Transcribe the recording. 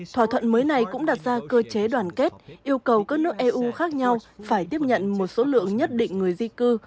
thỏa thuận mới này cũng đặt ra cơ chế đoàn kết yêu cầu các nước eu khác nhau phải tiếp nhận một số lượng nhất định người di cư